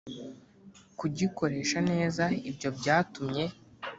kugikoresha neza Ibyo byatumye